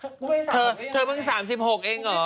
เธอเมื่อกี้๓๖เองเหรอ